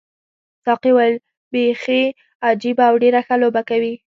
ساقي وویل بیخي عجیبه او ډېره ښه لوبه کوي.